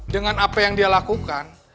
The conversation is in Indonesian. dengan apa yang dia lakukan